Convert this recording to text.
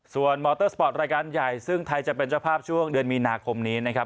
ส่วนมอเตอร์สปอร์ตรายการใหญ่ซึ่งไทยจะเป็นเจ้าภาพช่วงเดือนมีนาคมนี้นะครับ